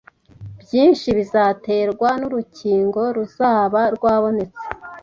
Byinshi bizaterwa n'urukingo ruzaba rwabonetse